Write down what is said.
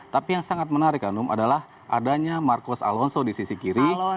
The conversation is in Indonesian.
tapi yang sangat menarik hanum adalah adanya marcos alonso di sisi kiri